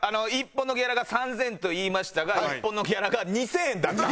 １本のギャラが３０００円と言いましたが１本のギャラが２０００円だった。